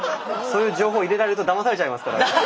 そういう情報入れられるとだまされちゃいますからね。